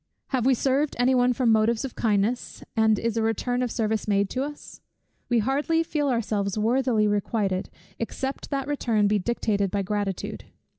Have we served any one from motives of kindness, and is a return of service made to us? We hardly feel ourselves worthily requited, except that return be dictated by gratitude.